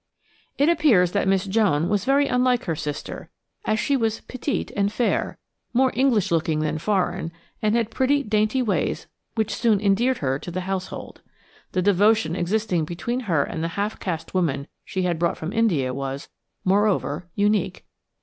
It appears that Miss Joan was very unlike her sister, as she was petite and fair, more English looking than foreign, and had pretty, dainty ways which soon endeared her to the household. The devotion existing between her and the half caste woman she had brought from India was, moreover, unique.